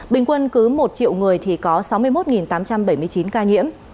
bình quân cứ một triệu người thì có sáu mươi một tám trăm bảy mươi chín ca nhiễm